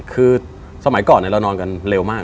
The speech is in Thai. คือสมัยก่อนเรานอนกันเร็วมาก